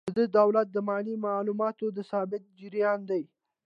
دا د دولت د مالي معاملاتو د ثبت جریان دی.